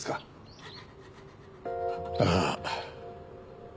ああ。